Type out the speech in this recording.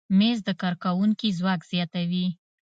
مېز د کارکوونکي ځواک زیاتوي.